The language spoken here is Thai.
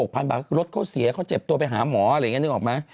๖๐๐๐บาทเกือบเขาเสียเกิดเจ็บตัวไปหาหมอนึกออกมั้ย